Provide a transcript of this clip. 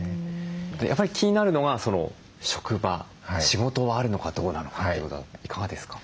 やっぱり気になるのが職場仕事はあるのかどうなのかということはいかがですか？